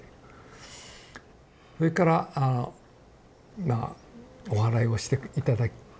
それからあのまあおはらいをして頂いて。